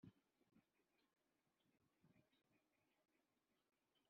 Wa ntwari we ni iki gitumye wirata igomwa